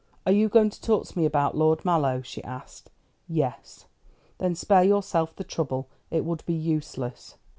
"Are you going to talk to me about Lord Mallow?" she asked. "Yes." "Then spare yourself the trouble. It would be useless."